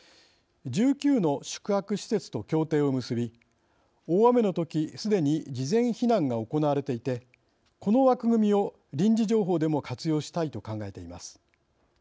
１９の宿泊施設と協定を結び大雨の時すでに事前避難が行われていてこの枠組みを臨時情報でも活用したいと考えています。